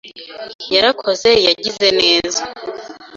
yarakoze yagize neza.